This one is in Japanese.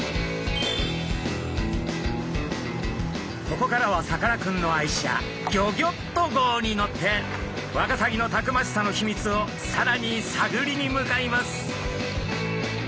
ここからはさかなクンの愛車ギョギョッと号に乗ってワカサギのたくましさの秘密をさらに探りに向かいます。